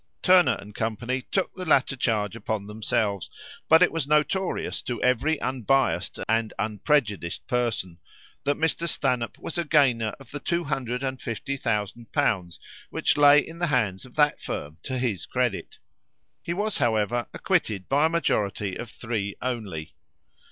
Turner and Co. took the latter charge upon themselves; but it was notorious to every unbiassed and unprejudiced person that Mr. Stanhope was a gainer of the 250,000l. which lay in the hands of that firm to his credit. He was, however, acquitted by a majority of three only.